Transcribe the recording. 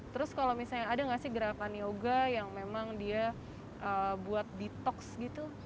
terus kalau misalnya ada nggak sih gerakan yoga yang memang dia buat detox gitu